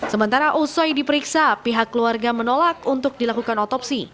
sementara usai diperiksa pihak keluarga menolak untuk dilakukan otopsi